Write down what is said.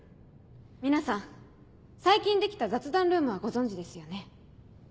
皆さん最近できた雑談ルームはご存じですよね？